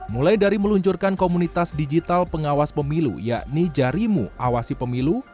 mulai dari meluncurkan komunitas digital pengawas pemilu yakni jarimu awasi pemilu